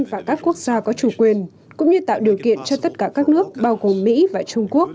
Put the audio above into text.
và các quốc gia có chủ quyền cũng như tạo điều kiện cho tất cả các nước bao gồm mỹ và trung quốc